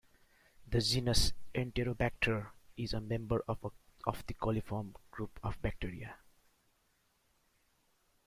The genus "Enterobacter" is a member of the coliform group of bacteria.